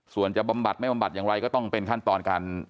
ส่วนจะบำบัดไม่บำบัดอย่างไรก็ต้องเป็นขั้นตอนการ